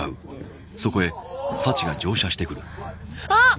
あっ！